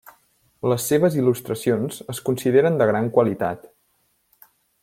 Les seves il·lustracions es consideren de gran qualitat.